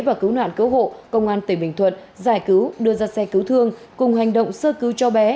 và cứu nạn cứu hộ công an tỉnh bình thuận giải cứu đưa ra xe cứu thương cùng hành động sơ cứu cho bé